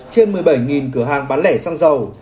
trên một mươi bảy cửa hàng bán lẻ xăng dầu